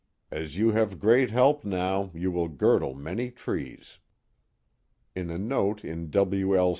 " As you have great help now, you will girdle m;iny trees." In a note in W. L.